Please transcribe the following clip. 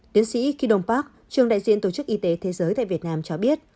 tiến sĩ kydon park trường đại diện tổ chức y tế thế giới tại việt nam cho biết